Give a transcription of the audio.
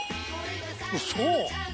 ウソ！